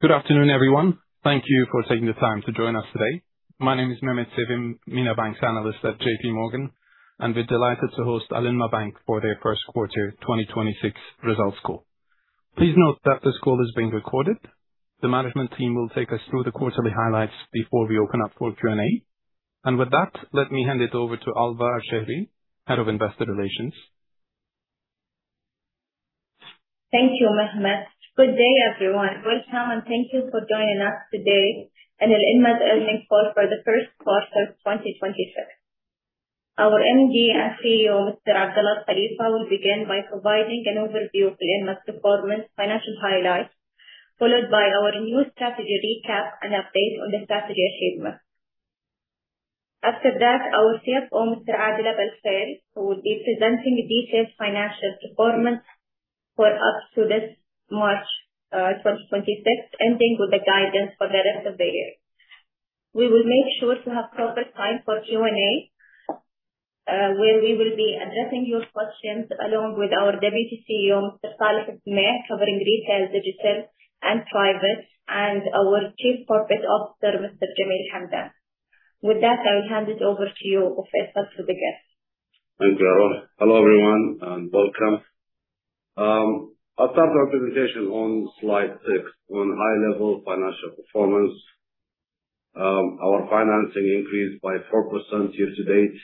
Good afternoon, everyone. Thank you for taking the time to join us today. My name is Mehmet Sevim, MENA Banks Analyst at J.P. Morgan, and we are delighted to host Alinma Bank for their first quarter 2026 results call. Please note that this call is being recorded. The management team will take us through the quarterly highlights before we open up for Q&A. With that, let me hand it over to Alva Alshehri, Head of Investor Relations. Thank you, Mehmet. Good day, everyone. Welcome, and thank you for joining us today in Alinma’s earnings call for the first quarter of 2026. Our MD and CEO, Mr. Abdullah Khalifa, will begin by providing an overview of Alinma’s performance, financial highlights, followed by our new strategy recap and update on the strategy achievements. After that, our CFO, Mr. Adil Abelsail, who will be presenting the detailed financial performance for up to this March 2026, ending with the guidance for the rest of the year. We will make sure to have proper time for Q&A, where we will be addressing your questions along with our Deputy CEO, Mr. Saleh Bin Maed, covering retail, digital, and private, and our Chief Corporate Officer, Mr. Jameel Hamdan. With that, I will hand it over to you, Abdullah, for the guest. Thank you. Hello, everyone, and welcome. I will start our presentation on slide six on high-level financial performance. Our financing increased by 4% year-to-date,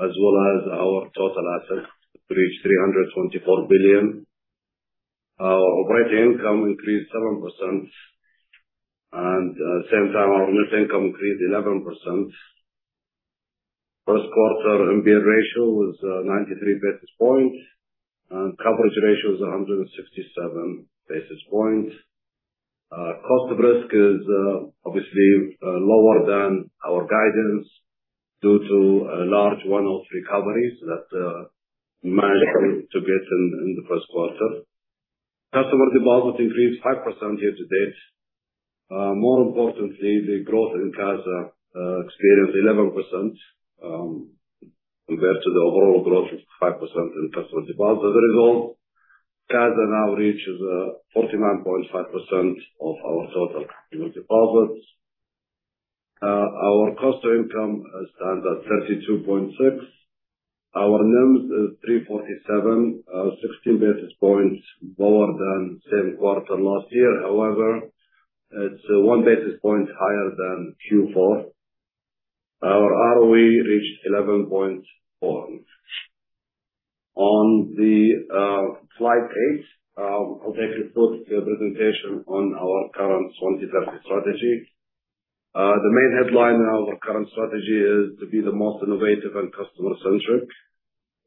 as well as our total assets reached 324 billion. Our operating income increased 7%, and at the same time, our net income increased 11%. First quarter NPL ratio was 93 basis points, and coverage ratio is 167 basis points. Cost of risk is obviously lower than our guidance due to large one-off recoveries that managed to get in the first quarter. Customer deposit increased 5% year-to-date. More importantly, the growth in CASA experienced 11% compared to the overall growth of 5% in customer deposits overall. CASA now reaches 49.5% of our total customer deposits. Our cost to income stands at 32.6%. Our NIMs is 347, 16 basis points lower than same quarter last year. However, it is one basis point higher than Q4. Our ROE reached 11.4%. On slide eight, I will take you through the presentation on our current strategy. The main headline in our current strategy is to be the most innovative and customer-centric,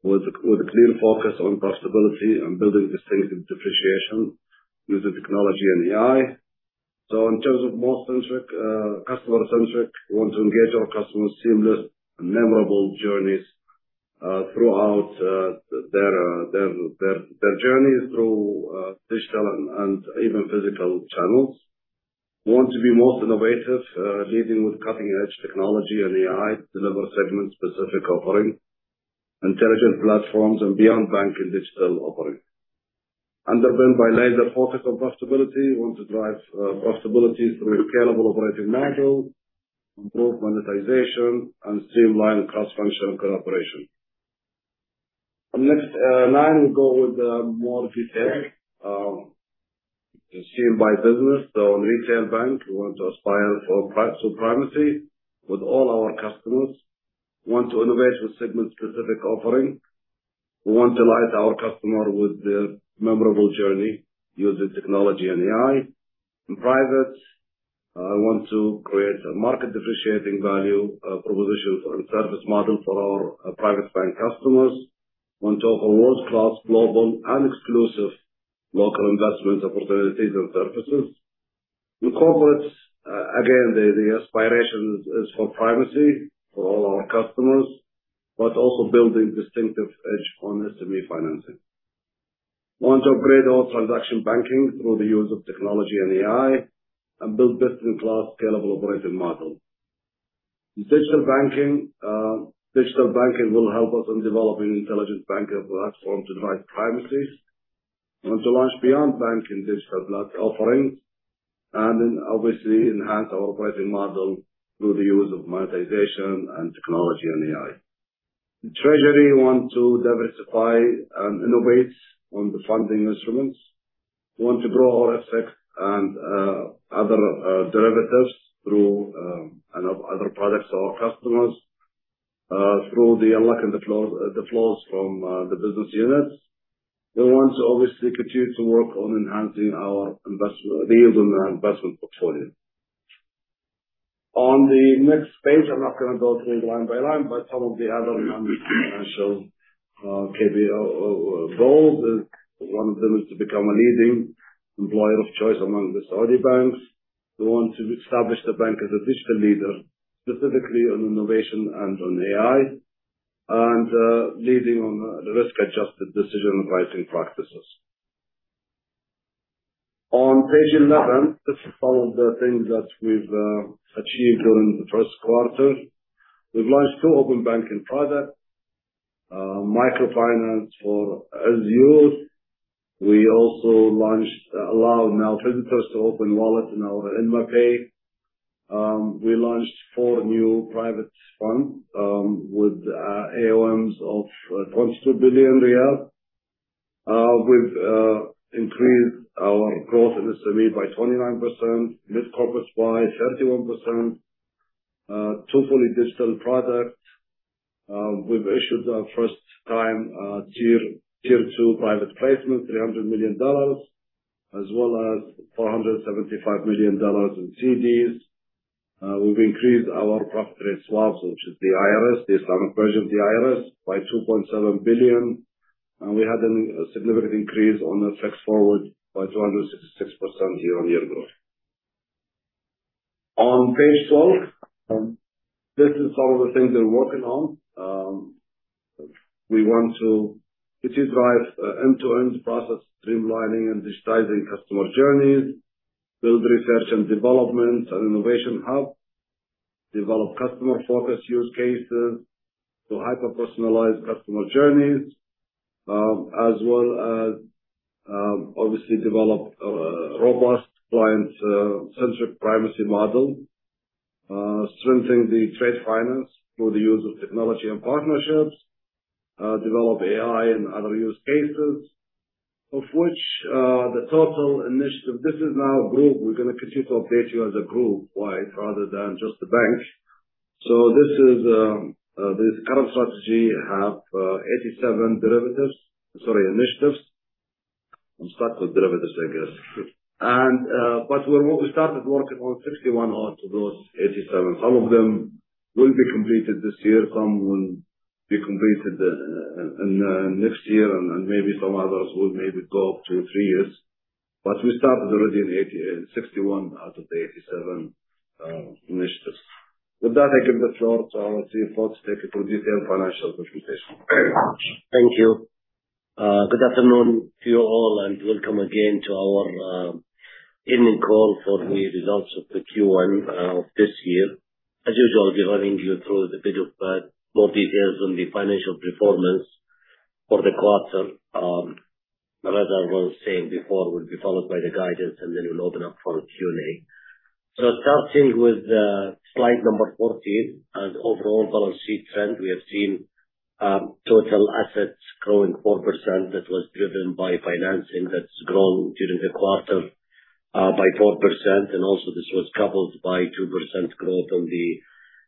with a clear focus on profitability and building distinctive differentiation using technology and AI. In terms of customer-centric, we want to engage our customers seamless and memorable journeys throughout their journey through digital and even physical channels. We want to be most innovative, leading with cutting-edge technology and AI to deliver segment-specific offering, intelligent platforms, and beyond bank and digital offering. Underpinned by laser focus on profitability, we want to drive profitability through scalable operating model, improve monetization, and streamline cross-functional cooperation. On slide nine, we will go with more detail. Seen by business, on retail bank, we want to aspire for primacy with all our customers. We want to innovate with segment-specific offering. We want to delight our customer with their memorable journey using technology and AI. In private, we want to create a market differentiating value proposition and service model for our private bank customers. We want to offer world-class global and exclusive local investment opportunities and services. In corporate, again, the aspiration is for primacy for all our customers, but also building distinctive edge on SME financing. We want to upgrade our transaction banking through the use of technology and AI and build best-in-class scalable operating model. In digital banking, digital banking will help us in developing intelligent banker platform to drive primacies. We want to launch beyond banking digital block offerings, and then obviously enhance our operating model through the use of monetization and technology and AI. In treasury, we want to diversify and innovate on the funding instruments. We want to grow our FX and other derivatives through other products to our customers, through the unlock and the flows from the business units. We want to obviously continue to work on enhancing our yields on the investment portfolio. On the next page, I'm not going to go through it line by line, but some of the other financial KPI or goals is, one of them is to become a leading employer of choice among the Saudi banks. We want to establish the bank as a digital leader, specifically on innovation and on AI, and leading on the risk-adjusted decision pricing practices. On page 11, this is some of the things that we've achieved during the first quarter. We've launched two open banking products. Microfinance for our youth. We also allowed now visitors to open wallets in our AlinmaPay. We launched four new private funds with AUMs of SAR 22 billion. We've increased our growth in the SME by 29%, mid-corporate by 31%, two fully digital products. We've issued our first time Tier 2 private placement, $300 million, as well as $475 million in CDs. We've increased our profit rate swaps, which is the IRS, the Islamic version of the IRS, by 2.7 billion. We had a significant increase on our fixed forward by 266% year-on-year growth. On page 12, this is some of the things we're working on. We want to continue to drive end-to-end process streamlining and digitizing customer journeys, build R&D and innovation hub, develop customer focus use cases to hyper-personalize customer journeys. As well as obviously develop a robust client-centric primacy model. Strengthening the trade finance through the use of technology and partnerships. Develop AI and other use cases, of which the total initiative. This is now a group. We're going to continue to update you as a group wide rather than just the bank. This current strategy have 87 initiatives. I'll start with derivatives, I guess. But we started working on 61 out of those 87. Some of them will be completed this year, some will be completed in the next year, and maybe some others will maybe go up to three years. But we started already in 61 out of the 87 initiatives. With that, I give the floor to our CFO to take you through detailed financial presentation. Thank you. Good afternoon to you all, and welcome again to our earnings call for the results of the Q1 of this year. As usual, I'll be running you through a bit of more details on the financial performance for the quarter. Murada was saying before, will be followed by the guidance, then we'll open up for a Q&A. Starting with slide number 14, and overall balance sheet trend. We have seen total assets growing 4%. That was driven by financing that's grown during the quarter by 4%. This was coupled by 2% growth on the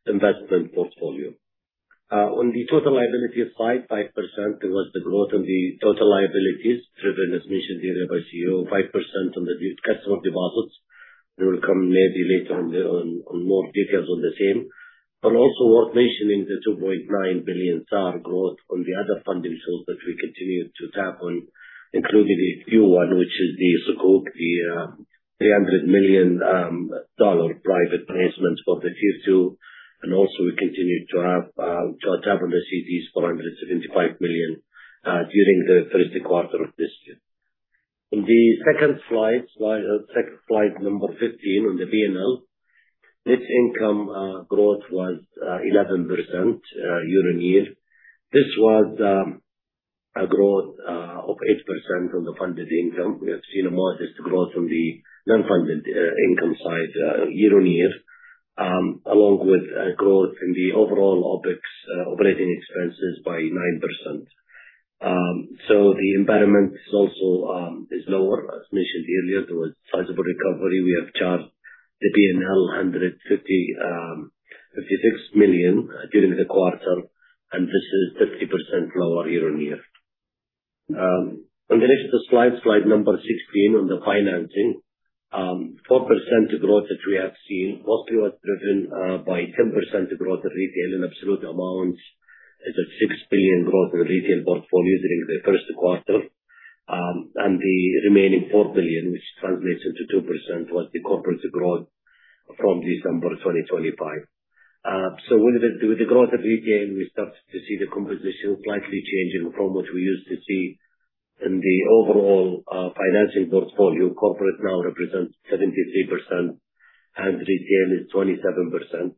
investment portfolio. On the total liability side, 5% was the growth on the total liabilities, driven, as mentioned earlier by CEO, 5% on the customer deposits. We will come maybe later on more details on the same. Worth mentioning the 2.9 billion SAR growth on the other funding source that we continued to tap on, including the new one, which is the Sukuk, the $300 million private placements for the Tier 2. We continued to tap on the CDs, 475 million, during the first quarter of this year. On the second slide number 15 on the P&L. Net income growth was 11% year-on-year. This was a growth of 8% on the funded income. We have seen a modest growth on the non-funded income side year-on-year, along with a growth in the overall OpEx operating expenses by 9%. The impairment is also lower. As mentioned earlier, there was sizable recovery. We have charged the P&L 156 million during the quarter, and this is 50% lower year-on-year. On the next slide number 16 on the financing. 4% growth that we have seen mostly was driven by 10% growth at retail in absolute amounts. That's a 6 billion growth in retail portfolio during the first quarter. The remaining 4 billion, which translates into 2%, was the corporate growth from December 2025. With the growth of retail, we started to see the composition slightly changing from what we used to see in the overall financing portfolio. Corporate now represents 73% and retail is 27%.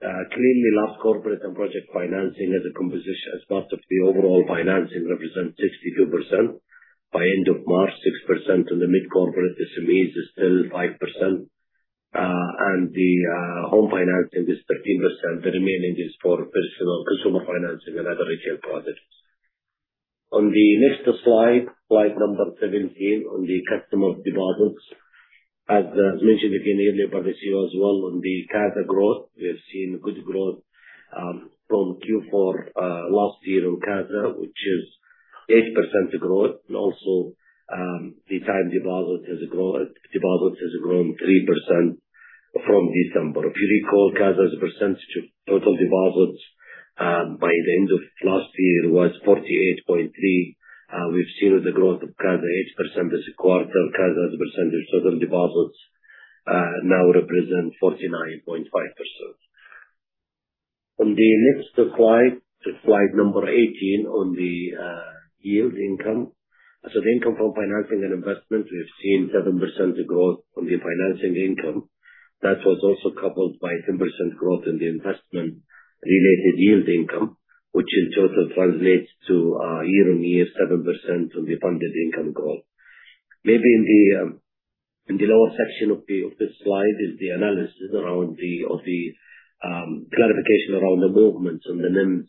Clearly, large corporate and project financing as a composition, as part of the overall financing, represent 62%. By end of March, 6% on the mid-corporate, the SMEs is still 5%. Home financing is 13%. The remaining is for personal consumer financing and other retail products. On the next slide number 17 on the customer deposits. As mentioned again earlier by the CEO as well on the CASA growth, we have seen good growth, from Q4 last year on CASA, which is 8% growth. Retail deposits has grown 3% from December. If you recall, CASA as a percentage of total deposits, by the end of last year was 48.3%. We've seen the growth of CASA, 8% this quarter. CASA as a percentage of total deposits now represent 49.5%. On the next slide number 18 on the yield income. The income from financing and investment, we have seen 7% growth from the financing income. That was coupled by 10% growth in the investment related yield income, which in total translates to a year-on-year 7% on the funded income growth. Maybe in the lower section of this slide is the analysis around the clarification around the movements on the NIMs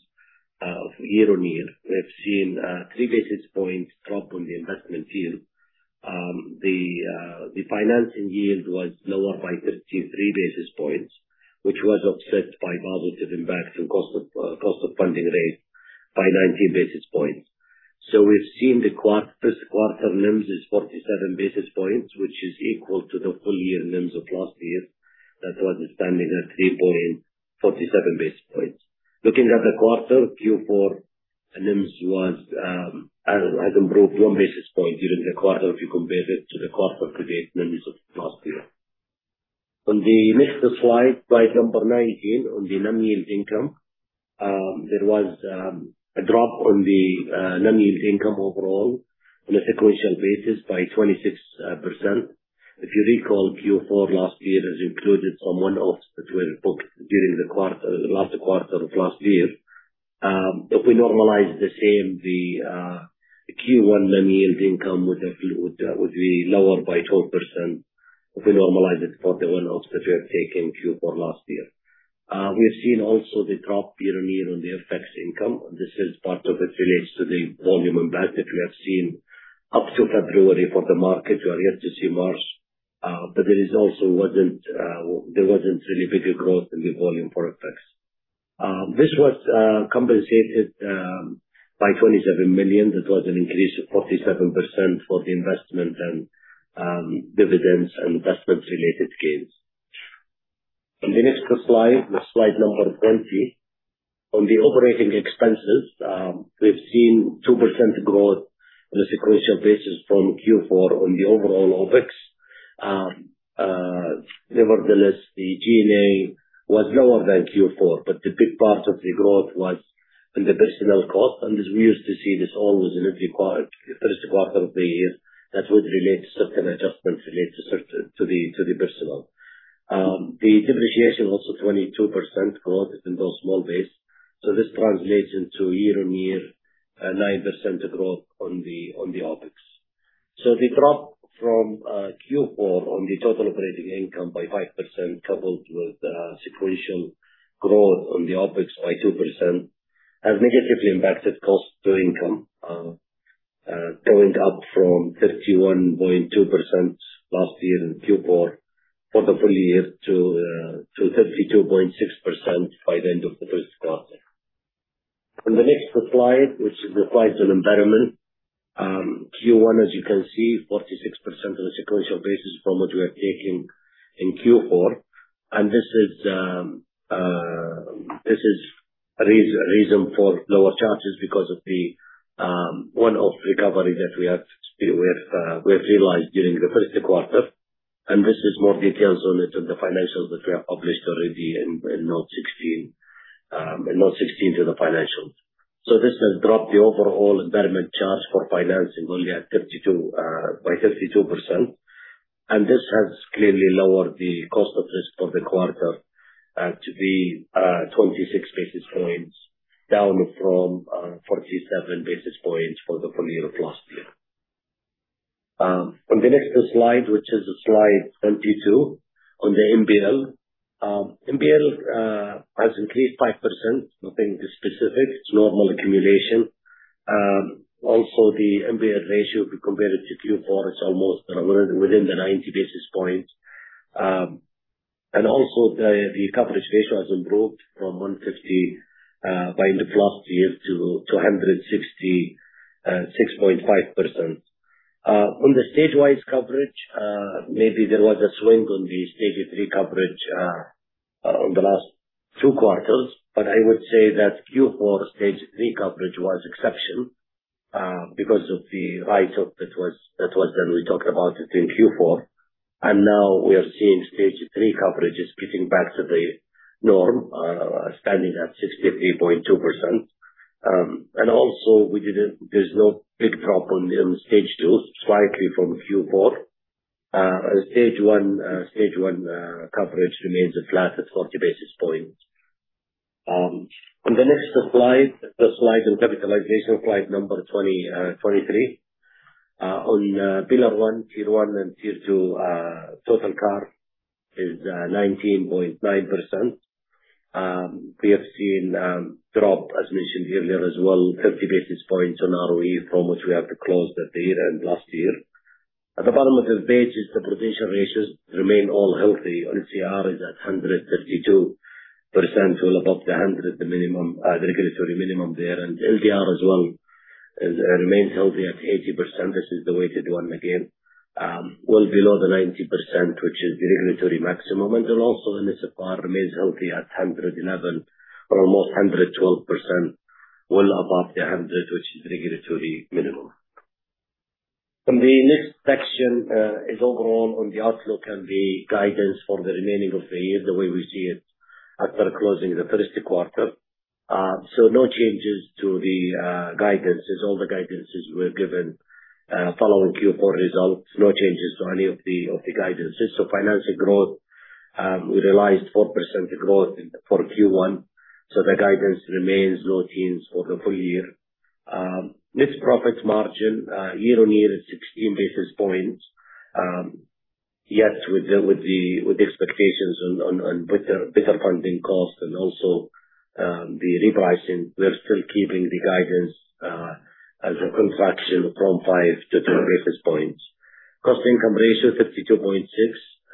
year-on-year. We have seen a three basis points drop on the investment yield. The financing yield was lower by 13 basis points, which was offset by positive impact from cost of funding rate by 19 basis points. We've seen the first quarter NIMs is 47 basis points, which is equal to the full year NIMs of last year. That was standing at 3.47 basis points. Looking at the quarter, Q4, NIMs has improved one basis point during the quarter if you compare it to the quarter-to-date NIMs of last year. On the next slide number 19, on the non-yield income. There was a drop on the non-yield income overall on a sequential basis by 26%. If you recall, Q4 last year has included some one-offs that were booked during the last quarter of last year. If we normalize the same, the Q1 non-yield income would be lower by 12% if we normalize it for the one-offs that we have taken Q4 last year. We have seen also the drop year-on-year on the FX income. This is part of it relates to the volume impact that we have seen up to February for the market. We are yet to see March, there wasn't really bigger growth in the volume for FX. This was compensated by 27 million. That was an increase of 37% for the investment and dividends and investment related gains. On the next slide, the slide number 20. On the operating expenses, we've seen 2% growth on a sequential basis from Q4 on the overall OpEx. Nevertheless, the G&A was lower than Q4, the big part of the growth was in the personnel cost. As we used to see this always in every first quarter of the year, that would relate certain adjustments related to the personnel. The depreciation, also 22% growth even though small base. This translates into year-on-year, 9% growth on the OpEx. The drop from Q4 on the total operating income by 5%, coupled with sequential growth on the OpEx by 2%, has negatively impacted cost-to-income, going up from 31.2% last year in Q4 for the full year to 32.6% by the end of the first quarter. On the next slide, which is the slide on impairment. Q1, as you can see, 46% on a sequential basis from what we have taken in Q4. This is reason for lower charges because of the one-off recovery that we have realized during the first quarter. This is more details on it in the financials that we have published already in note 16 to the financials. This has dropped the overall impairment charge for financing only by 32%. This has clearly lowered the cost of risk for the quarter to be 26 basis points, down from 47 basis points for the full year of last year. On the next slide, which is slide 22 on the NPL. NPL has increased 5%, nothing specific. It's normal accumulation. Also, the NPL ratio, if you compare it to Q4, it's almost within the 90 basis points. Also, the coverage ratio has improved from 150 by end of last year to 166.5%. On the stage-wise coverage, maybe there was a swing on the stage 3 coverage on the last two quarters. I would say that Q4 stage 3 coverage was exceptional because of the write-off that we talked about it in Q4. Now we are seeing stage 3 coverage is getting back to the norm, standing at 63.2%. Also there's no big drop on stage 2, slightly from Q4. Stage 1 coverage remains flat at 40 basis points. On the next slide, the slide on capitalization, slide number 23. On Pillar 1, Tier 1 and Tier 2, total CAR is 19.9%. We have seen drop, as mentioned earlier as well, 30 basis points on ROE from which we have to close the year end last year. At the bottom of the page, the provision ratios remain all healthy. LCR is at 132%, well above the 100%, the regulatory minimum there. LDR as well remains healthy at 80%. This is the weighted one again, well below the 90%, which is the regulatory maximum. Also NSFR remains healthy at 111% or almost 112%, well above the 100%, which is regulatory minimum. On the next section, overall on the outlook and the guidance for the remaining of the year, the way we see it after closing the first quarter. No changes to the guidances. All the guidances were given following Q4 results. No changes to any of the guidances. Financial growth, we realized 4% growth for Q1. The guidance remains low teens for the full year. Net profit margin year-over-year is 16 basis points. Yet with the expectations on better funding costs and also the repricing, we are still keeping the guidance as a contraction from 5 to 3 basis points. Cost-to-income ratio 52.6%.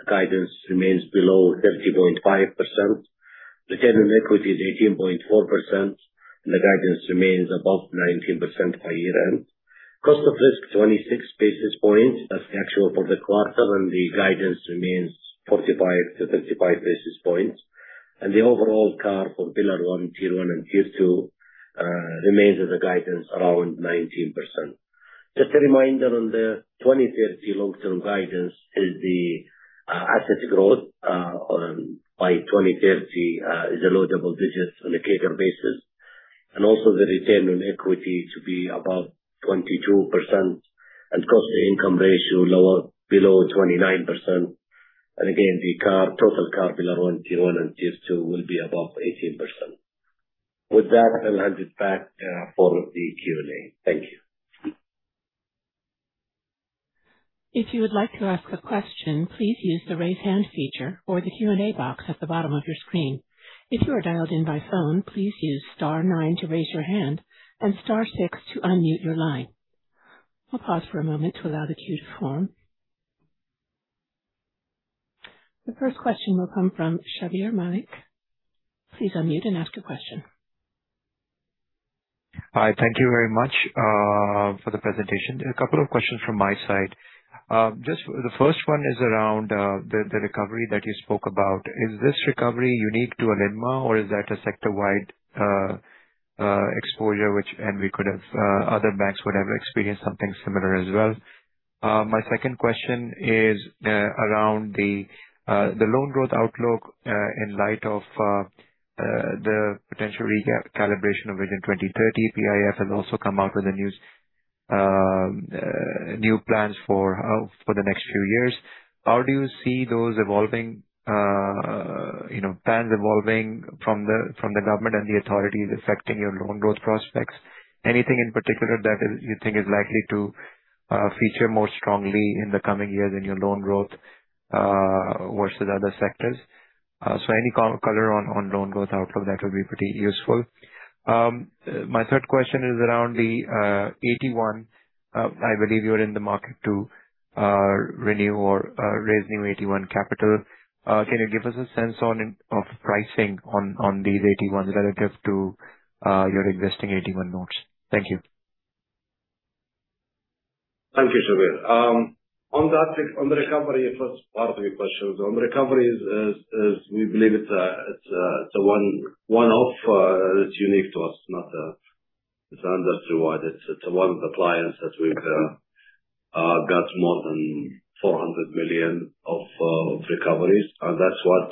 The guidance remains below 30.5%. Return on equity is 18.4%. The guidance remains above 19% by year-end. Cost of risk is 26 basis points. That's the actual for the quarter, and the guidance remains 45 to 55 basis points. The overall CAR for Pillar 1, Tier 1, and Tier 2 remains at the guidance around 19%. Just a reminder on the 2030 long-term guidance. The assets growth by 2030 is a low double digits on a CAGR basis. Also the return on equity to be above 22% and cost-to-income ratio below 29%. Again, the total CAR Pillar 1, Tier 1, and Tier 2 will be above 18%. With that, I will hand it back for the Q&A. Thank you. If you would like to ask a question, please use the Raise Hand feature or the Q&A box at the bottom of your screen. If you are dialed in by phone, please use star 9 to raise your hand and star 6 to unmute your line. I'll pause for a moment to allow the queue to form. The first question will come from Shabbir Malik. Please unmute and ask your question. Hi. Thank you very much for the presentation. A couple of questions from my side. The first one is around the recovery that you spoke about. Is this recovery unique to Alinma or is that a sector-wide exposure, and other banks would have experienced something similar as well? My second question is around the loan growth outlook in light of the potential recalibration of Vision 2030. PIF has also come out with new plans for the next few years. How do you see those evolving plans from the government and the authorities affecting your loan growth prospects? Anything in particular that you think is likely to feature more strongly in the coming years in your loan growth versus other sectors? Any color on loan growth outlook, that would be pretty useful. My third question is around the AT1. I believe you are in the market to renew or raise new AT1 capital. Can you give us a sense of pricing on these AT1s relative to your existing AT1 notes? Thank you. Thank you, Shabbir. On the recovery, first part of your questions. On recovery, we believe it's a one-off that's unique to us. It's industry-wide. It's one of the clients that we've got more than 400 million of recoveries. That's what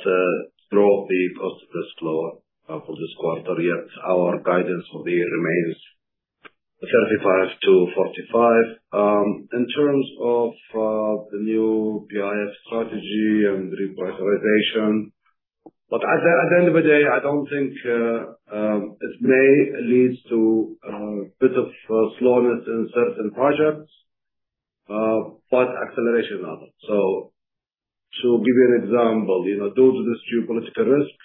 drove the cost of risk lower for this quarter. Yet our guidance for the year remains 35 to 45. In terms of the new PIF strategy and repricing. At the end of the day, I don't think it may lead to a bit of slowness in certain projects, but acceleration in others. To give you an example. Due to this geopolitical risk,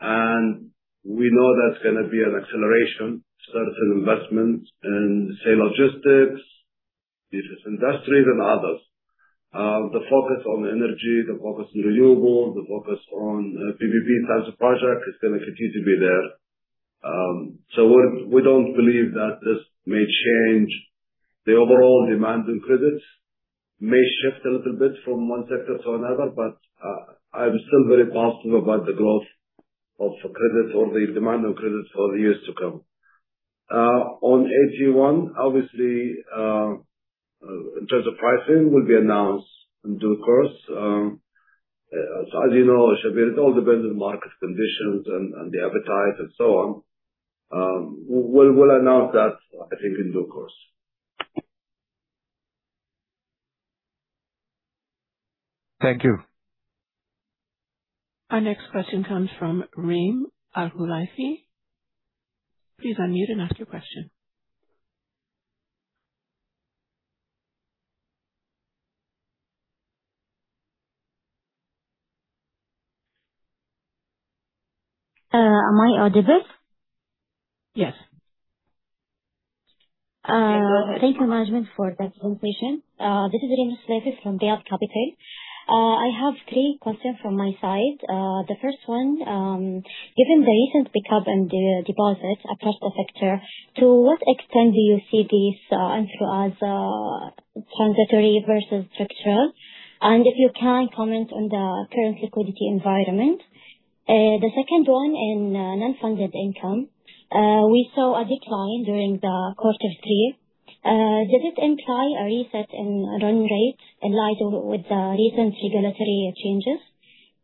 and we know there's going to be an acceleration, certain investments in, say, logistics, defense industry, and others. The focus on energy, the focus on renewable, the focus on PPP types of projects is going to continue to be there. We don't believe that this may change the overall demand on credits. May shift a little bit from one sector to another, but I'm still very positive about the growth of credits or the demand on credits for the years to come. On AT1, obviously, in terms of pricing will be announced in due course. As you know, Shabbir, it all depends on market conditions and the appetite and so on. We'll announce that, I think, in due course. Thank you. Our next question comes from Reem AlHulaifi. Please unmute and ask your question. Am I audible? Yes. Thank you, management, for the presentation. This is Reem AlHulaifi from Derayah Capital. I have three questions from my side. The first one, given the recent pickup in the deposits across the sector, to what extent do you see this influence transitory versus structural? If you can comment on the current liquidity environment. The second one in non-funded income. During the quarter three, did it imply a reset in run rates in line with the recent regulatory changes?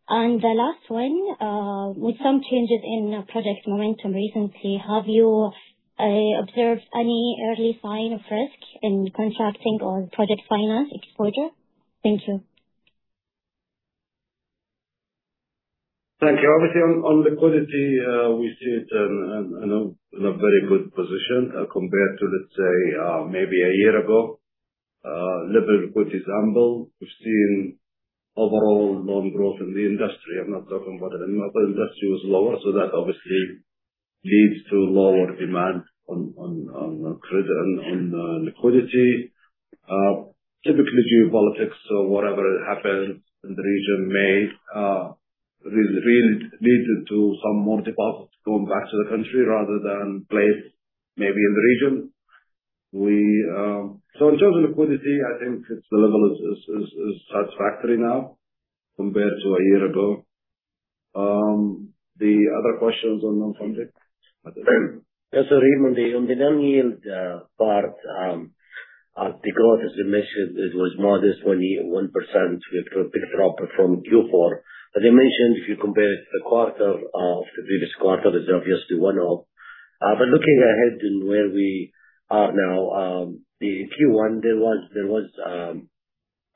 The last one, with some changes in project momentum recently, have you observed any early sign of risk in contracting or project finance exposure? Thank you. Thank you. Obviously, on liquidity, we see it in a very good position compared to, let's say, maybe a year ago. Level, which is humble. We have seen overall loan growth in the industry. I am not talking about Alinma, but industry was lower, that obviously leads to lower demand on liquidity. Typically, geopolitics or whatever happens in the region may really lead into some more deposits going back to the country rather than placed maybe in the region. In terms of liquidity, I think the level is satisfactory now compared to a year ago. The other questions on non-funded? Yes, Raymond, on the non-yield part, at the growth, as you mentioned, it was modest, only 1% with a big drop from Q4. As I mentioned, if you compare it to the previous quarter, there is obviously one off. Looking ahead and where we are now, the Q1, there was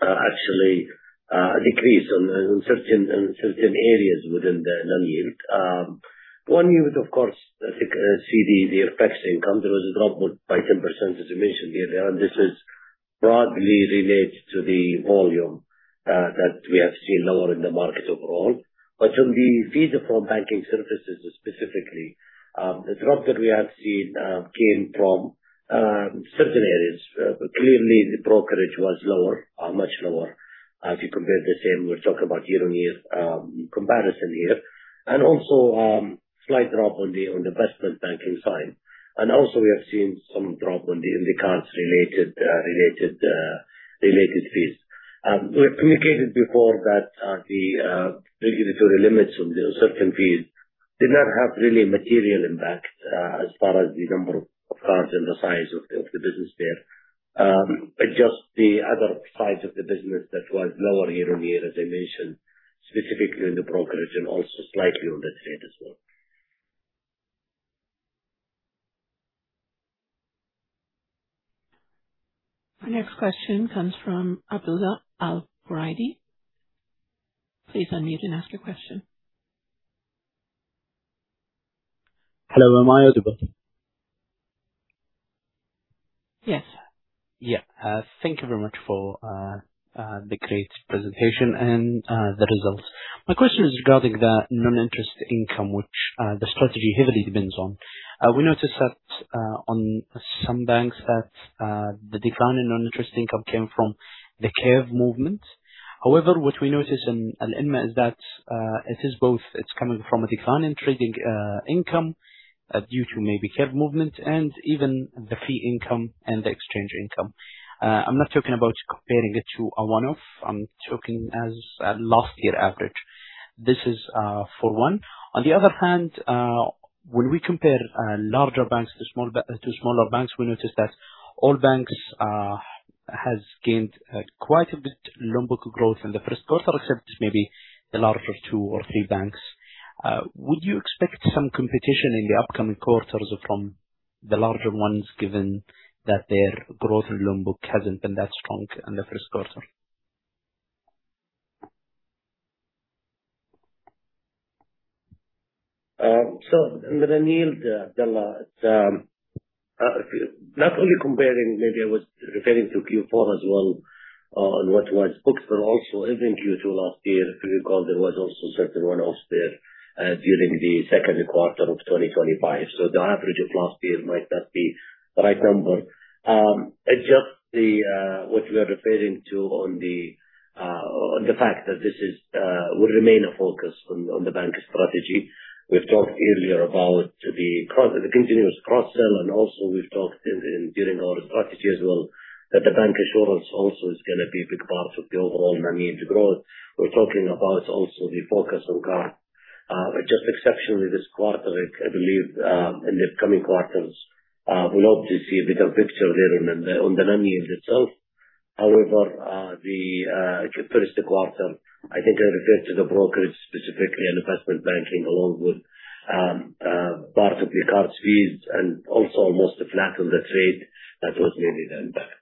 actually a decrease in certain areas within the non-yield. One unit, of course, I think see the effects in income. There was a drop by 10%, as you mentioned earlier, and this is broadly related to the volume that we have seen lower in the market overall. From the fee from banking services specifically, the drop that we have seen came from certain areas. Clearly, the brokerage was lower, much lower if you compare the same. We are talking about year-on-year comparison here. Also, slight drop on the investment banking side. Also we have seen some drop on the cards-related fees. We have communicated before that the regulatory limits on those certain fees did not have really material impact as far as the number of cards and the size of the business there. Just the other size of the business that was lower year-on-year, as I mentioned, specifically in the brokerage also slightly on the trade as well. The next question comes from Abdullah Al Buraidi. Please unmute and ask your question. Hello. Am I unmuted? Yes. Thank you very much for the great presentation and the results. My question is regarding the non-interest income, which the strategy heavily depends on. We noticed that on some banks that the decline in non-interest income came from the curve movement. What we notice in Alinma is that it is both. It's coming from a decline in trading income due to maybe curve movement and even the fee income and the exchange income. I'm not talking about comparing it to a one-off. I'm talking as a last year average. This is for one. When we compare larger banks to smaller banks, we notice that all banks has gained quite a bit loan book growth in the first quarter, except maybe the larger two or three banks. Would you expect some competition in the upcoming quarters from the larger ones, given that their growth loan book hasn't been that strong in the first quarter? In the non-yield, Abdullah, not only comparing, maybe I was referring to Q4 as well on what was books, but also even Q2 last year, if you recall, there was also certain one-offs there during the second quarter of 2025. The average of last year might not be the right number. Adjust what you are referring to on the fact that this will remain a focus on the bank strategy. We've talked earlier about the continuous cross-sell, we've talked during our strategy as well, that the bank assurance also is going to be a big part of the overall non-yield growth. We're talking about also the focus on card. Just exceptionally this quarter, I believe, in the coming quarters, we hope to see a bigger picture there on the non-yield itself. However, the first quarter, I think I referred to the brokerage specifically and investment banking, along with part of the card fees and also almost a flat on the trade that was really the impact.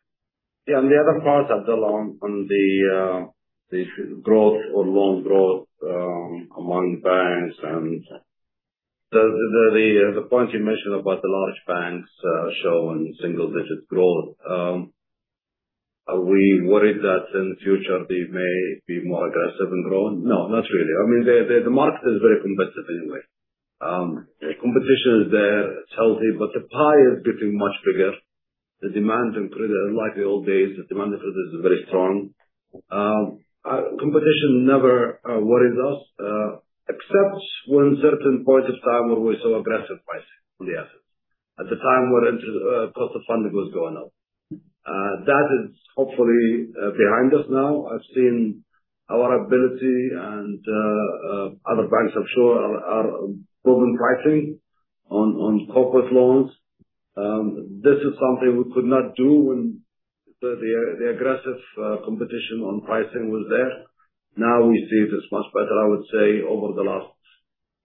Yeah. On the other part, Abdullah, on the growth or loan growth among banks and the point you mentioned about the large banks showing single-digit growth. Are we worried that in the future, they may be more aggressive in growing? No, not really. I mean, the market is very competitive anyway. Competition is there, it's healthy, but the pie is getting much bigger. The demand in credit, unlike the old days, the demand for credit is very strong. Competition never worries us, except when certain points of time where we saw aggressive pricing on the assets. At the time when interest, cost of funding was going up. That is hopefully behind us now. I've seen Our ability and other banks I'm sure are improving pricing on corporate loans. This is something we could not do when the aggressive competition on pricing was there. Now we see it is much better, I would say, over the last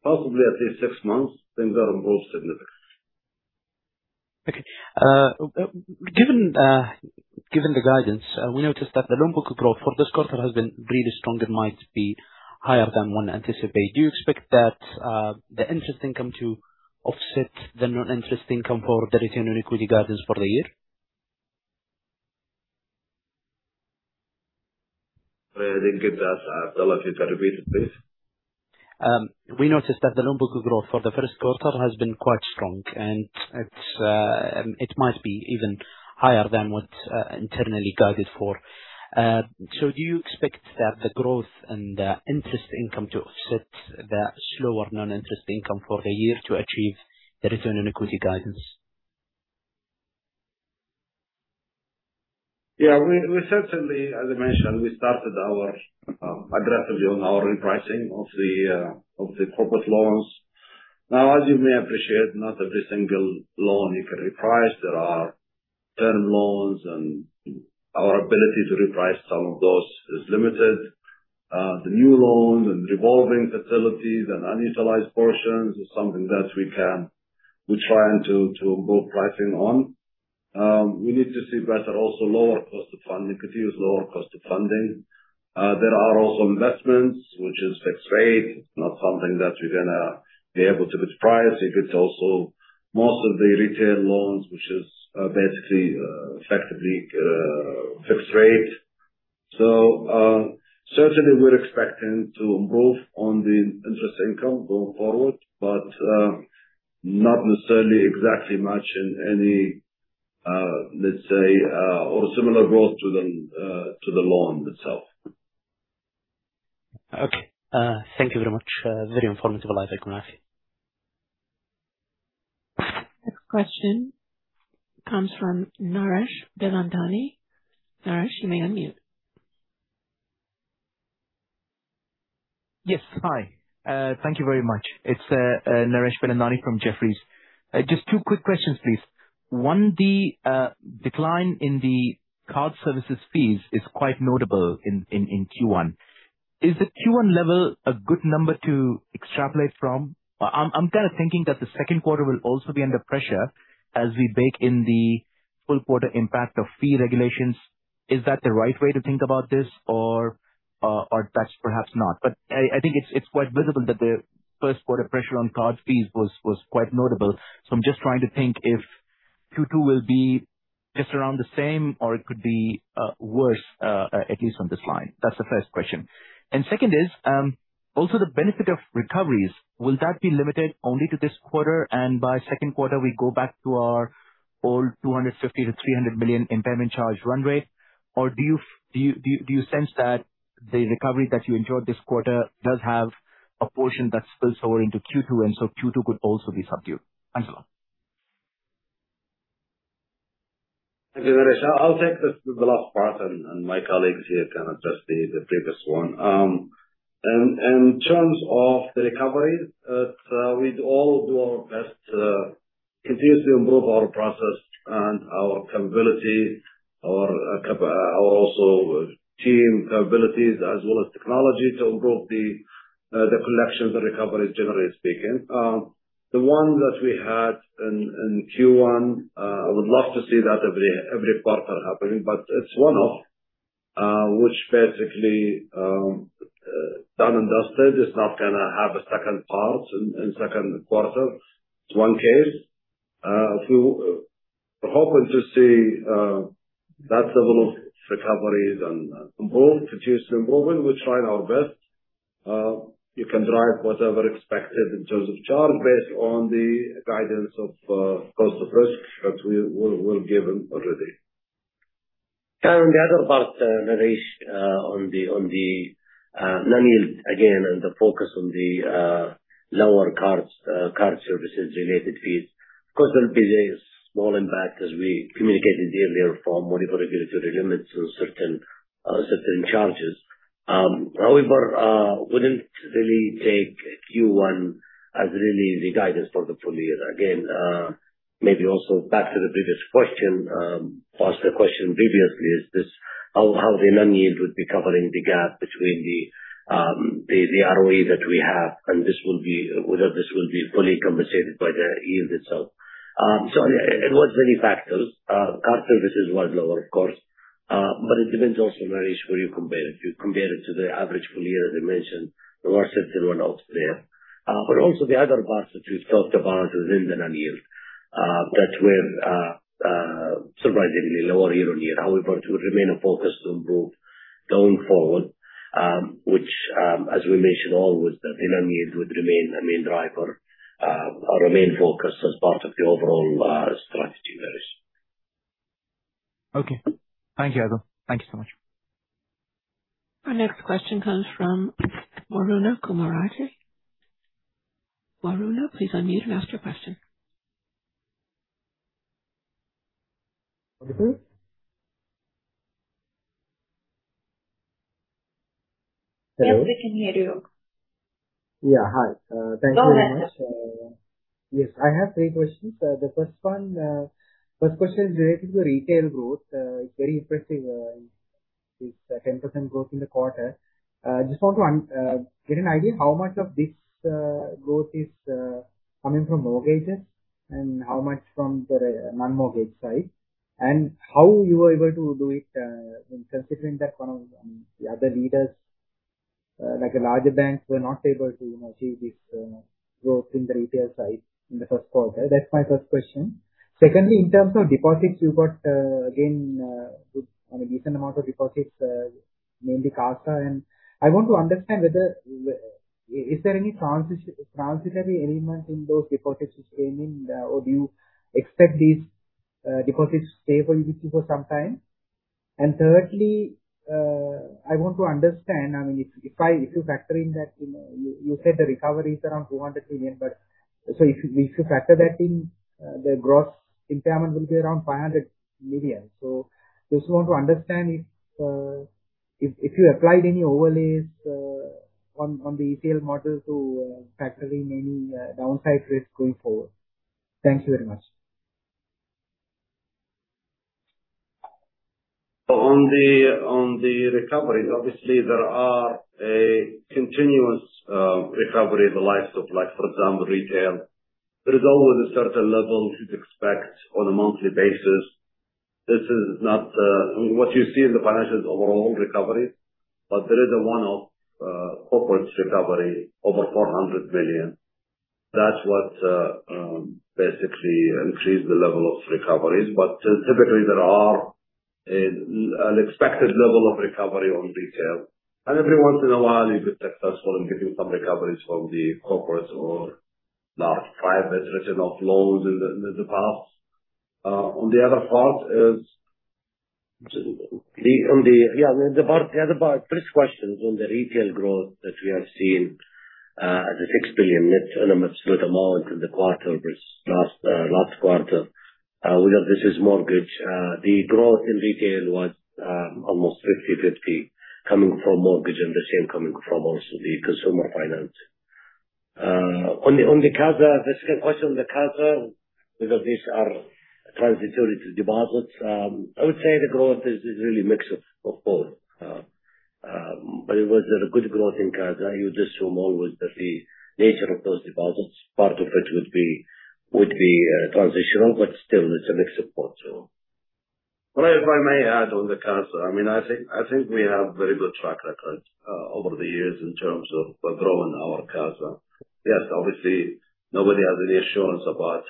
possibly at least six months, things have improved significantly. Okay. Given the guidance, we noticed that the loan book growth for this quarter has been really strong. It might be higher than one anticipated. Do you expect that the interest income to offset the non-interest income for the return on equity guidance for the year? I didn't get that. Well, if you can repeat it, please. We noticed that the loan book growth for the first quarter has been quite strong, and it might be even higher than what internally guided for. Do you expect that the growth and the interest income to offset the slower non-interest income for the year to achieve the return and equity guidance? Yeah. As I mentioned, we started aggressively on our repricing of the corporate loans. As you may appreciate, not every single loan you can reprice. There are term loans. Our ability to reprice some of those is limited. The new loans and revolving facilities and unutilized portions is something that we're trying to improve pricing on. We need to see better also lower cost of funding, continue with lower cost of funding. There are also investments, which is fixed rate. It's not something that we're going to be able to reprice. If it's also most of the retail loans, which is basically effectively fixed rate. Certainly we're expecting to improve on the interest income going forward, but not necessarily exactly much in any, let's say, or similar growth to the loan itself. Okay. Thank you very much. Very informative. Bye-bye. Thank you, Rasha. Next question comes from Naresh Bilandani. Naresh, you may unmute. Yes. Hi. Thank you very much. It's Naresh Bilandani from Jefferies. Just two quick questions, please. One, the decline in the card services fees is quite notable in Q1. Is the Q1 level a good number to extrapolate from? I'm kind of thinking that the second quarter will also be under pressure as we bake in the full quarter impact of fee regulations. Is that the right way to think about this or that's perhaps not? I think it's quite visible that the first quarter pressure on card fees was quite notable. I'm just trying to think if Q2 will be just around the same or it could be worse, at least on this line. That's the first question. Second is, also the benefit of recoveries, will that be limited only to this quarter and by second quarter we go back to our old 250 million-300 million impairment charge run rate? Or do you sense that the recovery that you enjoyed this quarter does have a portion that spills over into Q2 could also be subdued? Thanks a lot. Thank you, Naresh. I'll take the last part, my colleagues here can address the previous one. In terms of the recovery, we all do our best to continue to improve our process and our capability, our also team capabilities as well as technology to improve the collections and recoveries, generally speaking. The one that we had in Q1, I would love to see that every quarter happening, it's one-off, which basically, done and dusted. It's not going to have a second part in second quarter. It's one case. We're hoping to see that level of recoveries and improve, continue to improve, and we're trying our best. You can drive whatever expected in terms of charge based on the guidance of cost of risk that we've given already. The other part, Naresh, on the non-yield, again, and the focus on the lower card services related fees. Of course, there will be a small impact as we communicated earlier from regulatory limits on certain charges. However, wouldn't really take Q1 as really the guidance for the full year. Again, maybe also back to the previous question, asked the question previously, is this how the non-yield would be covering the gap between the ROE that we have, and whether this will be fully compensated by the yield itself. It was many factors. Card services was lower of course, but it depends also, Naresh, where you compare it. You compare it to the average full year, as I mentioned, the offsets that were not there. But also the other parts that you talked about within the non-yield, that were surprisingly lower year-on-year. It would remain a focus to improve going forward, which, as we mentioned always, the non-yield would remain a main driver or remain focused as part of the overall strategy, Naresh. Thank you. Thank you so much. Our next question comes from Varun Kumar. Varuna, please unmute and ask your question. Yes, we can hear you. Yeah. Hi. Thank you very much. Go ahead. Yes, I have three questions. The first question is related to retail growth. It's very impressive, this 10% growth in the quarter. Just want to get an idea how much of this growth is coming from mortgages and how much from the non-mortgage side. How you were able to do it, considering that one of the other leaders, like larger banks, were not able to achieve this growth in the retail side in the first quarter. That's my first question. Secondly, in terms of deposits, you got again, a decent amount of deposits, mainly CASA. I want to understand whether is there any transitory element in those deposits which came in, or do you expect these deposits to stay for UBQ for some time? Thirdly, I want to understand, if you factor in that, you said the recovery is around 400 million. If you factor that in, the gross impairment will be around 500 million. Just want to understand if you applied any overlays on the ECL model to factor in any downside risks going forward. Thank you very much. On the recovery, obviously, there is a continuous recovery the likes of, for example, retail. There is always a certain level you'd expect on a monthly basis. This is not what you see in the financials overall recovery. There is a one-off corporates recovery over 400 million. That's what basically increased the level of recoveries. Typically, there is an expected level of recovery on retail. Every once in a while, if it's successful, it'll give you some recoveries from the corporates or large private written-off loans in the past. The other part, first question is on the retail growth that we have seen, the 60 billion net absolute amount in the quarter versus last quarter. Whether this is mortgage. The growth in retail was almost 50/50, coming from mortgage and the same coming from also the consumer finance. On the CASA, the second question on the CASA, whether these are transitory deposits. I would say the growth is really a mix of both. It was a good growth in CASA. You just assume always that the nature of those deposits, part of it would be transitional, but still it's a mix of both. If I may add on the CASA, I think we have very good track records over the years in terms of growing our CASA. Obviously, nobody has any assurance about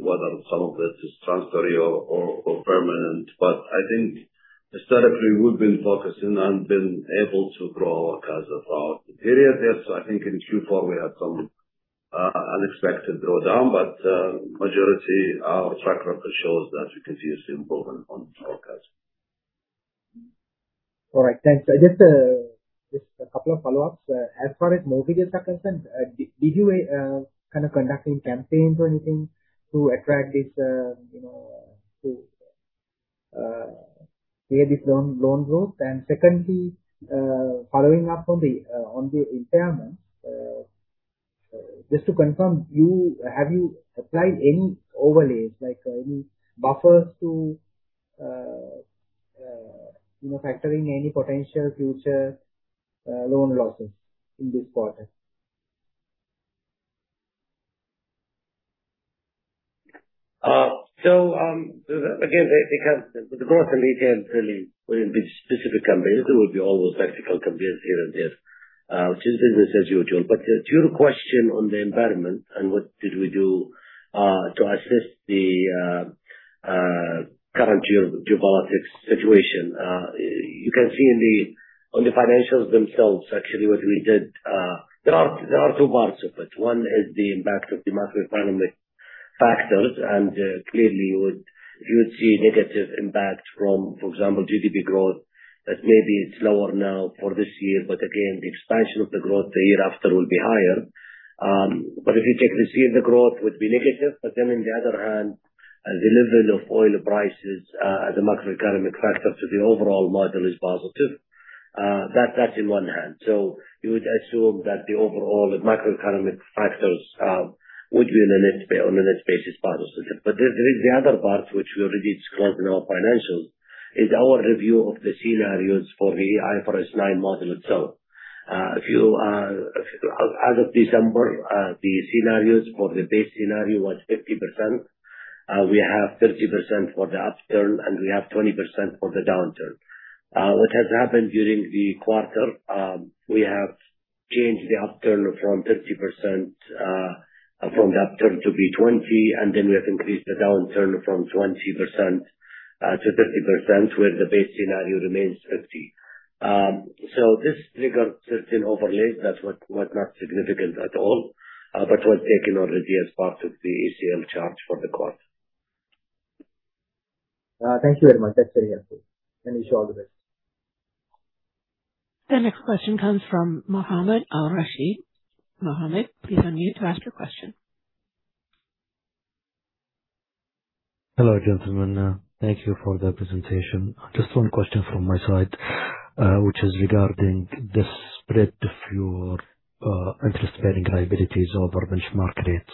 whether some of this is transitory or permanent. I think historically, we've been focusing and been able to grow our CASA throughout the period. I think in Q4, we had some unexpected drawdown, but majority, our track record shows that we continue to improve on our CASA. All right. Thanks. Just a couple of follow-ups. As far as mortgages are concerned, did you end up conducting campaigns or anything to attract this, to create this loan growth? Secondly, following up on the impairments, just to confirm, have you applied any overlays, like any buffers to factor in any potential future loan losses in this quarter? Again, basically, with the growth in retail, really wouldn't be specific campaigns. There will be always tactical campaigns here and there, which is business as usual. To your question on the environment and what did we do to assess the current geopolitical situation. You can see on the financials themselves, actually, what we did. There are two parts of it. One is the impact of the macroeconomic factors, and clearly you would see negative impact from, for example, GDP growth. That maybe it's lower now for this year, again, the expansion of the growth the year after will be higher. If you take this year, the growth would be negative. On the other hand, the level of oil prices as a macroeconomic factor to the overall model is positive. That's in one hand. You would assume that the overall macroeconomic factors would be on a net basis positive. There is the other part, which we already disclosed in our financials, is our review of the scenarios for the IFRS 9 model itself. As of December, the scenarios for the base scenario was 50%. We have 30% for the upturn, and we have 20% for the downturn. What has happened during the quarter, we have changed the upturn from 30% to be 20%, and we have increased the downturn from 20% to 30%, where the base scenario remains 50%. This triggered certain overlays. That was not significant at all. Was taken already as part of the ECL charge for the quarter. Thank you very much. That's very helpful. Wish you all the best. The next question comes from Mohammed Al Rashed. Mohammed, please unmute to ask your question. Hello, gentlemen. Thank you for the presentation. Just one question from my side, which is regarding the spread of your interest-bearing liabilities over benchmark rates.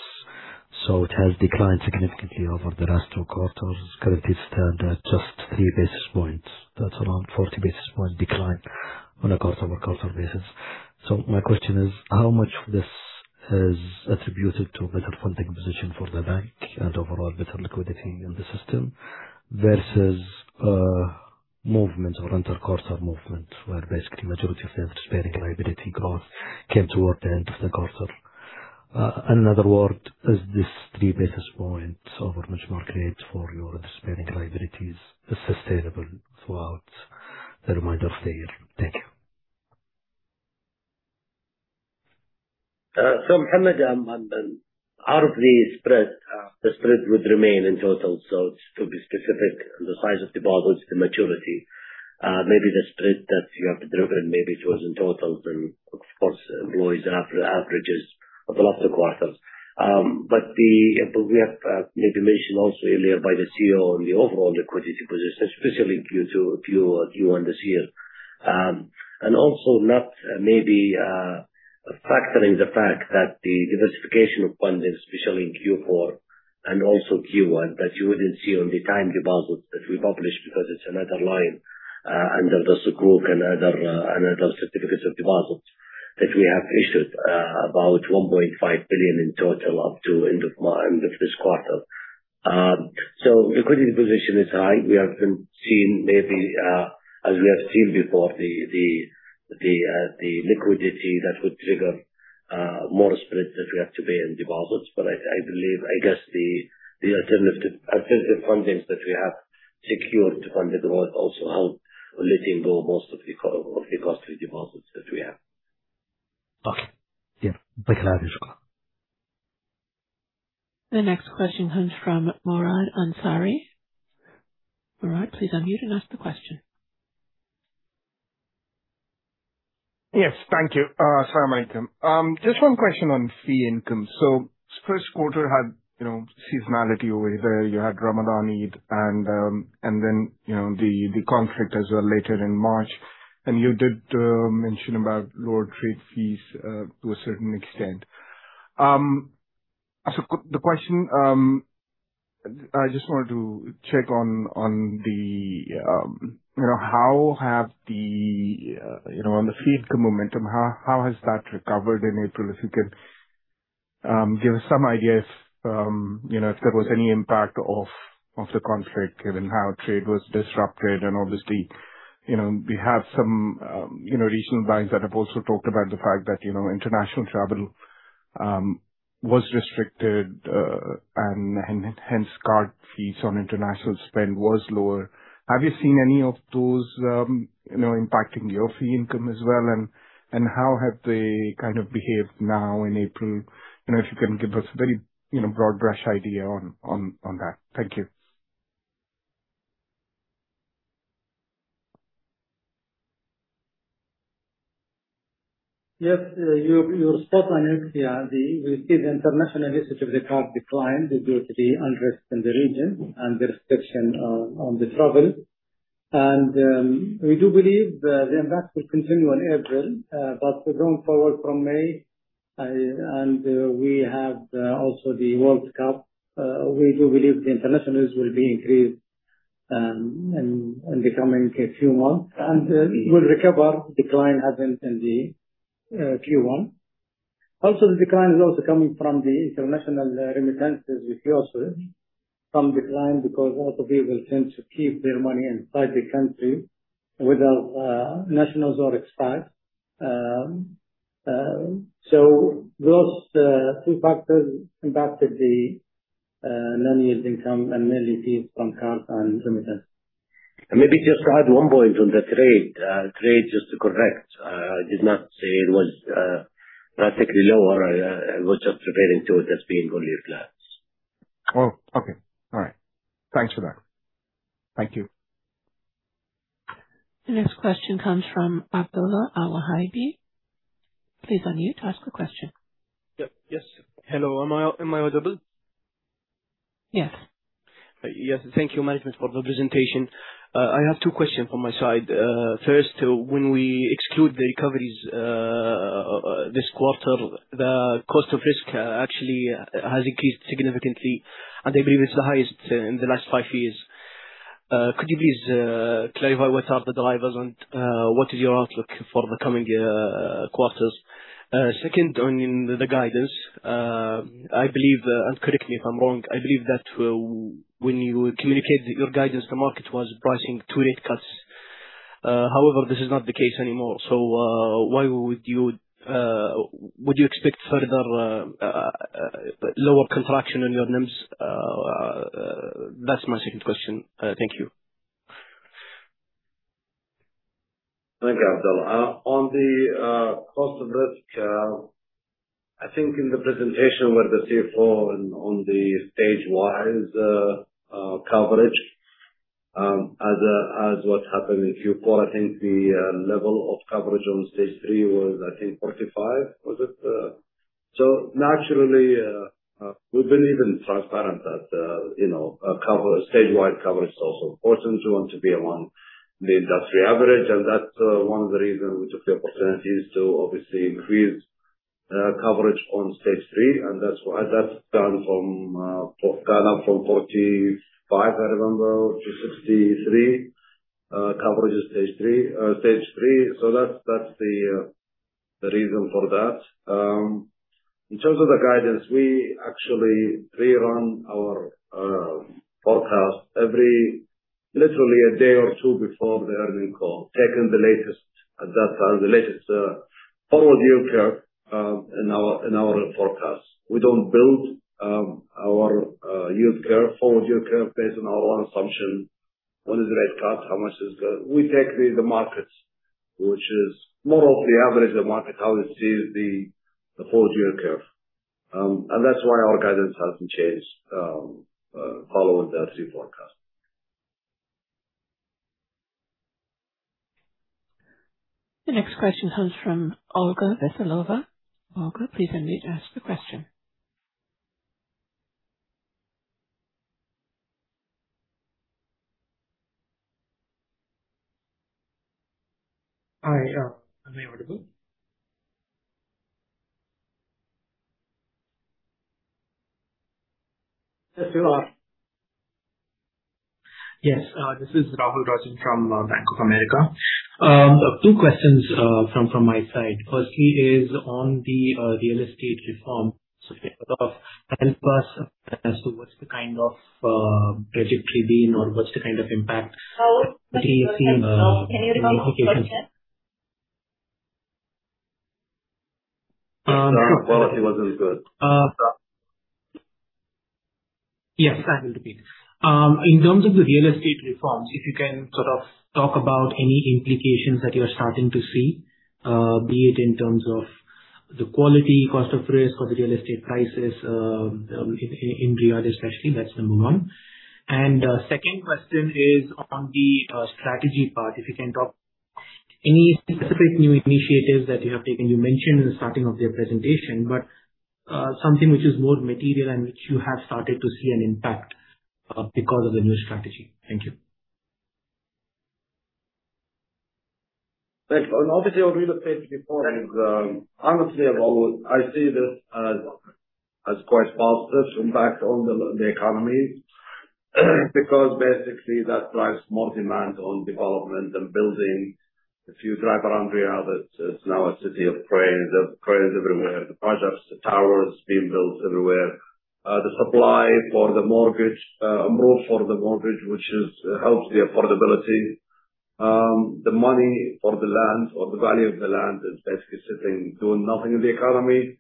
It has declined significantly over the last 2 quarters. It currently stands at just three basis points. That's around a 40 basis point decline on a quarter-over-quarter basis. My question is, how much of this is attributed to a better funding position for the bank and overall better liquidity in the system versus movements or inter-quarter movements, where basically the majority of the interest-bearing liability growth came toward the end of the quarter? In other words, is this three basis points over benchmark rates for your interest-bearing liabilities sustainable throughout the remainder of the year? Thank you. Mohammed, out of the spread, the spread would remain in total. To be specific on the size of deposits, the maturity, maybe the spread that you have driven, maybe it was in total, of course, alloys and averages of a lot of the quarters. We have made mention also earlier by the CEO on the overall liquidity position, especially Q1 this year. Also not maybe, factoring the fact that the diversification of funding, especially in Q4 and also Q1, that you wouldn't see on the time deposits that we published because it's another line under the Sukuk and other certificates of deposits that we have issued about 1.5 billion in total up to end of this quarter. Liquidity position is high. We haven't seen maybe, as we have seen before, the liquidity that would trigger more spread that we have to pay in deposits. I believe, I guess the alternative fundings that we have secured to fund the growth also help letting go most of the costly deposits that we have. Okay. Yeah. Thank you. The next question comes from Murad Ansari. Murad, please unmute and ask the question. Yes. Thank you. Salam alaikum. Just one question on fee income. This first quarter had seasonality over here. You had Ramadan Eid and then the conflict as well later in March. You did mention about lower trade fees to a certain extent. The question, I just wanted to check on the fee income momentum, how has that recovered in April? If you could give us some idea if there was any impact of the conflict, given how trade was disrupted. Obviously, we have some regional banks that have also talked about the fact that international travel was restricted, and hence card fees on international spend was lower. Have you seen any of those impacting your fee income as well? How have they kind of behaved now in April? If you can give us a very broad brush idea on that. Thank you. Yes, you're spot on it. We see the international usage of the card decline due to the unrest in the region and the restriction on the travel. We do believe the impact will continue in April, but going forward from May, we have also the World Cup, we do believe the international use will be increased in the coming few months, and it will recover decline happened in the Q1. The decline is also coming from the international remittances, which also some decline because also people tend to keep their money inside the country without nationals or expats. Those two factors impacted the non-interest income and mainly fees from cards and remittances. Maybe just to add one point on the trade. Trade, just to correct, I did not say it was particularly lower. I was just referring to it as being more relaxed. Oh, okay. All right. Thanks for that. Thank you. The next question comes from Abdullah Al-Wahabi. Please unmute to ask the question. Yes. Hello, am I audible? Yes. Yes. Thank you, management, for the presentation. I have two questions from my side. First, when we exclude the recoveries this quarter, the cost of risk actually has increased significantly, and I believe it's the highest in the last five years. Could you please clarify what are the drivers and what is your outlook for the coming quarters? Second, on the guidance, and correct me if I'm wrong, I believe that when you communicate your guidance, the market was pricing two rate cuts. However, this is not the case anymore. Would you expect further lower contraction in your NIMs? That's my second question. Thank you. Thank you, Abdullah. On the cost of risk- I think in the presentation with the CFO on the stage-wise coverage, as what happened in Q4, I think the level of coverage on stage 3 was, I think, 45, was it? Naturally, we've been even transparent that stage-wide coverage is also important. We want to be among the industry average, and that's one of the reasons we took the opportunity is to obviously increase coverage on stage 3, and that's gone up from 45, I remember, to 63 coverage at stage 3. That's the reason for that. In terms of the guidance, we actually rerun our forecast every literally a day or two before the earnings call, taking the latest data, the latest forward yield curve in our forecast. We don't build our yield curve, forward yield curve based on our own assumption. What is the rate cut? We take the markets, which is more of the average, the market, how it sees the forward yield curve. That's why our guidance hasn't changed, following that same forecast. The next question comes from Olga Veselova. Olga, please unmute to ask the question. Hi. Am I audible? Yes, you are. This is Rahul Rajan from Bank of America. Two questions from my side. Firstly is on the real estate reform. Can you sort of help us as to what's the kind of trajectory been or what's the kind of impact do you see. Rahul, can you repeat the question? Sorry, the quality wasn't good. Yes, I will repeat. In terms of the real estate reforms, if you can sort of talk about any implications that you are starting to see, be it in terms of the quality, cost of risk or the real estate prices in Riyadh, especially. That's number 1. Second question is on the strategy part. If you can talk any specific new initiatives that you have taken. You mentioned in the starting of your presentation, but something which is more material and which you have started to see an impact, because of the new strategy. Thank you. Thanks. Obviously, on real estate reforms, honestly, Rahul, I see this as quite positive impact on the economy, because basically that drives more demand on development and building. If you drive around Riyadh, it's now a city of cranes. There are cranes everywhere. The projects, the towers being built everywhere. The supply for the mortgage, more for the mortgage, which helps the affordability. The money for the land or the value of the land is basically sitting, doing nothing in the economy.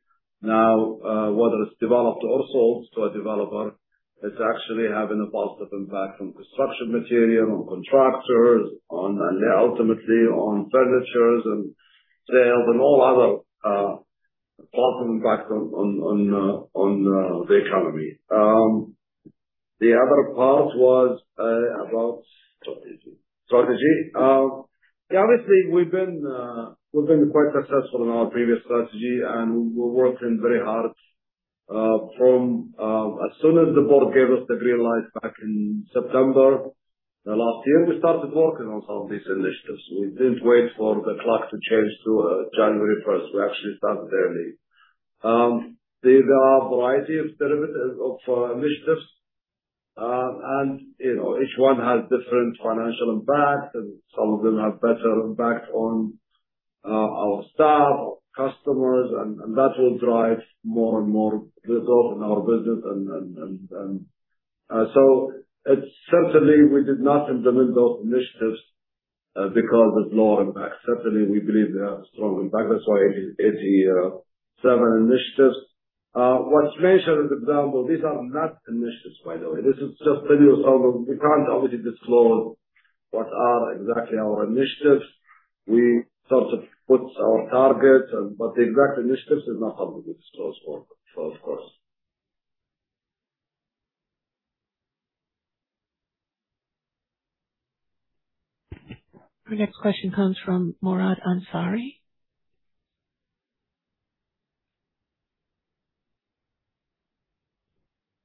The other part was about strategy. Obviously, we've been quite successful in our previous strategy, and we're working very hard. From as soon as the board gave us the green light back in September of last year, we started working on some of these initiatives. We didn't wait for the clock to change to January 1st. We actually started early. There are a variety of initiatives, each one has different financial impact, and some of them have better impact on our staff, our customers, and that will drive more and more results in our business. Essentially, we did not implement those initiatives because it's low impact. Certainly, we believe they have strong impact. That's why 87 initiatives. What's mentioned in the demo, these are not initiatives, by the way. This is just previews of them. We can't obviously disclose what are exactly our initiatives. We sort of put our targets, but the exact initiatives is not something we disclose, of course. Our next question comes from Murad Ansari.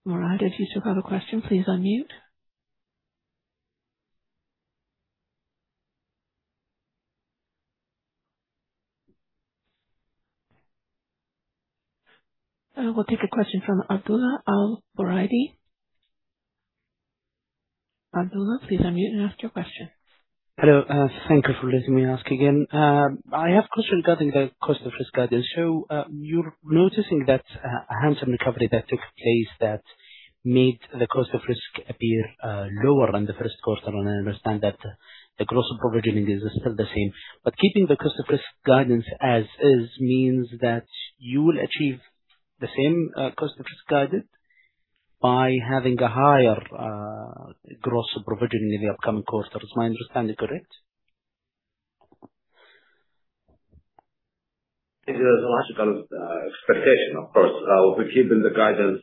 Murad, if you still have a question, please unmute. We'll take a question from Abdullah Al Buraidi. Abdullah, please unmute and ask your question. Hello. Thank you for letting me ask again. I have question regarding the cost of risk guidance. You're noticing that a handsome recovery that took place that made the cost of risk appear lower than the first quarter. I understand that the gross provisioning is still the same. Keeping the cost of risk guidance as is means that you will achieve the same cost of risk guidance by having a higher gross provisioning in the upcoming quarter. Is my understanding correct? It is a logical expectation, of course. We're keeping the guidance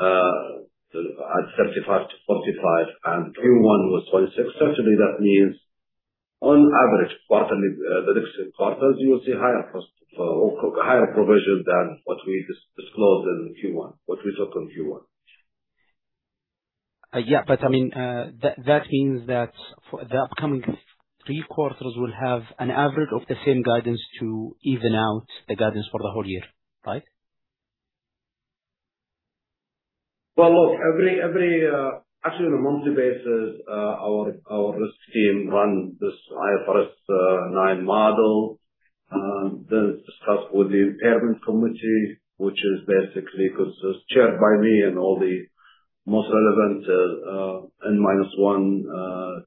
at 35%-45%, Q1 was 0.6%. Certainly, that means on average, the next quarters, you will see higher provision than what we disclosed in Q1, what we took in Q1. Yeah, that means that the upcoming three quarters will have an average of the same guidance to even out the guidance for the whole year, right? Well, look, actually, on a monthly basis, our risk team run this IFRS 9 model. It's discussed with the impairment committee, which is basically chaired by me and all the most relevant N minus one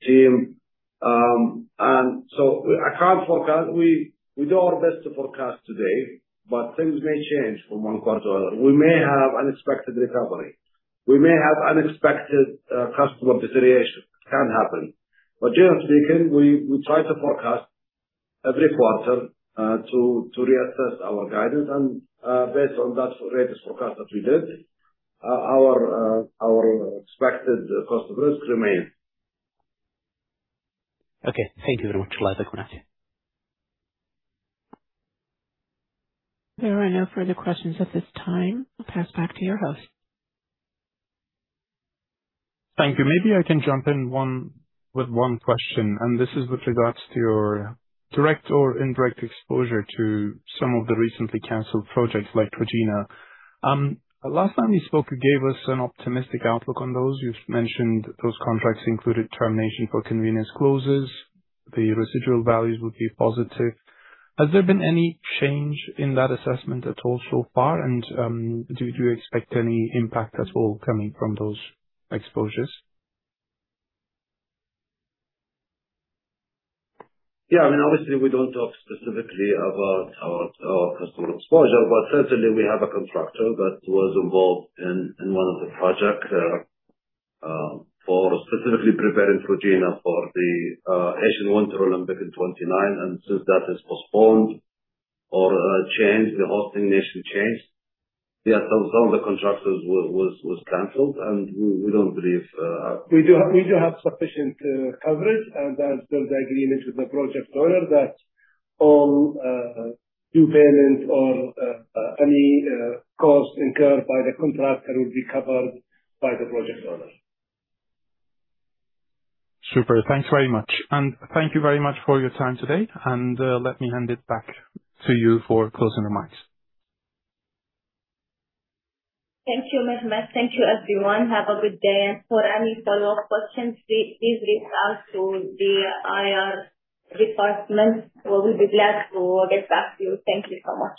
team. I can't forecast. We do our best to forecast today, but things may change from one quarter to another. We may have unexpected recovery. We may have unexpected customer deterioration. It can happen. Generally speaking, we try to forecast every quarter to reassess our guidance. Based on that latest forecast that we did, our expected cost of risk remains. Okay. Thank you very much. Wassaq nak. There are no further questions at this time. I'll pass back to your host. Thank you. Maybe I can jump in with one question, and this is with regards to your direct or indirect exposure to some of the recently canceled projects like Trojena. Last time you spoke, you gave us an optimistic outlook on those. You mentioned those contracts included termination for convenience clauses. The residual values would be positive. Has there been any change in that assessment at all so far? Do you expect any impact at all coming from those exposures? Obviously, we don't talk specifically about our customer exposure, but certainly, we have a contractor that was involved in one of the projects for specifically preparing Trojena for the Asian Winter Games in 2029. Since that is postponed or changed, the whole thing needs to change. Some of the contractors was canceled, we do have sufficient coverage and there's agreement with the project owner that all due payments or any cost incurred by the contractor will be covered by the project owner. Super. Thanks very much. Thank you very much for your time today, and let me hand it back to you for closing remarks. Thank you, Mehmet. Thank you, everyone. Have a good day. For any follow-up questions, please reach out to the IR department. We'll be glad to get back to you. Thank you so much.